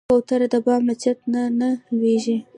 کوتره د بام له چت نه نه لوېږي.